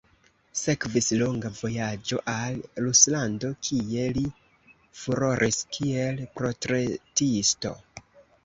Sekvis longa vojaĝo al Ruslando kie li furoris kiel portretisto.